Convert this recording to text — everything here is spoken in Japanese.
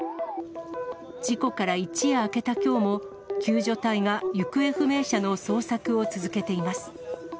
事故から一夜明けたきょうも、救助隊が行方不明者の捜索を続けています。